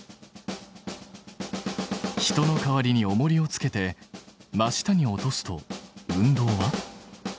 人の代わりにおもりをつけて真下に落とすと運動は？